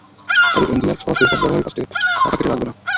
তবে এনবিআর সরাসরি ফোন ব্যবহারকারীর কাছ থেকে টাকা কেটে রাখবে না।